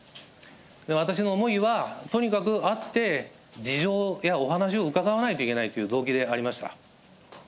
私の思いはとにかく会って、事情やお話を伺わないといけないという動機でありました。